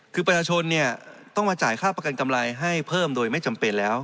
คือประชาชนต้องมาจ่ายค่าประกันกำไรให้เพิ่มโดยไม่จำเป็นแล้ว